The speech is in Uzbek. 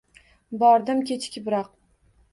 -Bordim, kechikibroq.